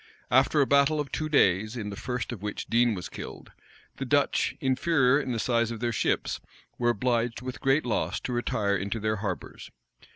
After a battle of two days, in the first of which Dean was killed, the Dutch, inferior in the size of their ships, were obliged, with great loss, to retire into their harbors.